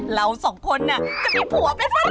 เราสองคนเนี่ยจะมีผัวเป็นฝรั